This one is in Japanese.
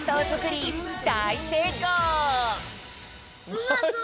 うまそう！